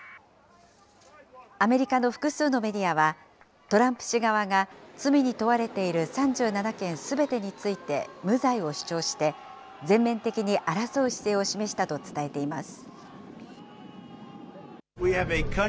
アメリカの複数のメディアは、トランプ氏側が罪に問われている３７件すべてについて無罪を主張して、全面的に争う姿勢を示したと伝えています。